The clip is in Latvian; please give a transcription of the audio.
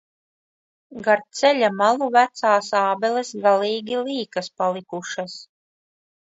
Gar ceļa malu vecās ābeles galīgi līkas palikušas.